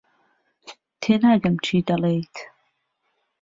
تێناگەم چی دەڵێیت.